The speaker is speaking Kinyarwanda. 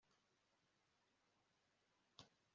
igihe kirekire ndamuzi neza yakubera umugabo